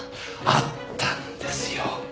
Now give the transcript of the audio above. あったんですよ。